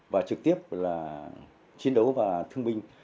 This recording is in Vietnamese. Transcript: và trực tiếp là chiến đấu và thương binh